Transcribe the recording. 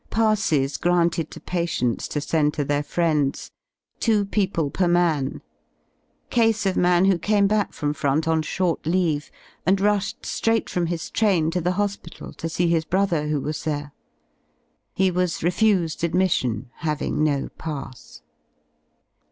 Passes granted to patients to send to their friends; two people per man; case of man who came back from Front on short leave and rushed ^raight from his train to the hospital to see his brother who was * there; he was refused admission, having no pass.